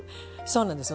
そうなんです。